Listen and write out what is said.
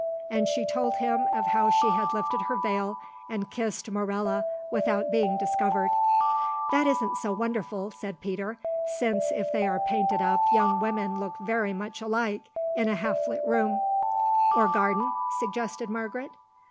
And she told him of how she had lifted her veil and kissed Morella without being discovered. "That isn't so wonderful," said Peter, "since if they are painted up young women look very much alike in a half lit room——" "Or garden?" suggested Margaret.